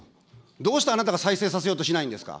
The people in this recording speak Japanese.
どうしてあなたが再生させようとしないんですか。